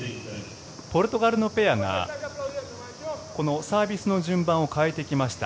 ポルトガルのペアがこのサービスの順番を変えてきました。